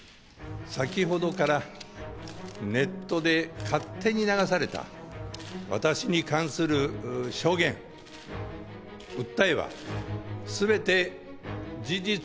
先ほどからネットで勝手に流された私に関する証言訴えは全て事実でございます。